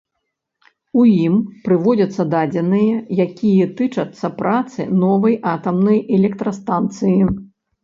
У ім прыводзяцца дадзеныя, якія тычацца працы новай атамнай электрастанцыі.